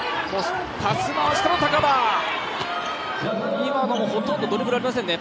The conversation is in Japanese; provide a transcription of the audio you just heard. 今のもほとんどドリブルありませんね。